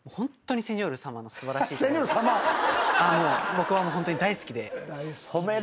僕はホントに大好きで。